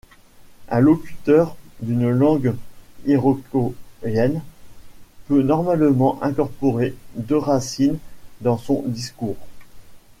Un locuteur d'une langue iroquoienne peut normalement incorporer deux racines dans son discours.